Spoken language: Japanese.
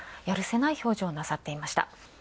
やるせない表情をなさっていました。